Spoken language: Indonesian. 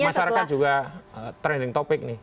masyarakat juga trending topic nih